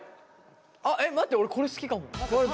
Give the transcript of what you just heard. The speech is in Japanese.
あっえっ待って俺これ好きかも。